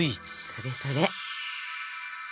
それそれ！